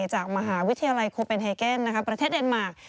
จากมหาวิทยาลัยโคเป็นไฮเกนประเทศเดนมาร์